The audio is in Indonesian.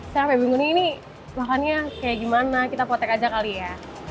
sampai bingung ini makannya kayak gimana kita potek aja kali ya